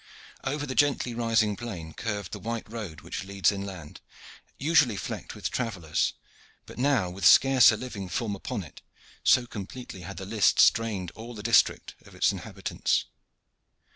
Over the gently rising plain curved the white road which leads inland, usually flecked with travellers, but now with scarce a living form upon it, so completely had the lists drained all the district of its inhabitants.